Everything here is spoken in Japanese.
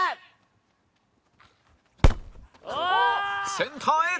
センターへ